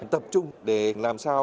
tập trung để làm sao